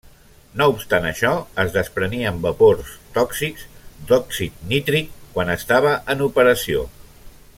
No obstant això, es desprenien vapors tòxics d'òxid nítric quan estava en operació.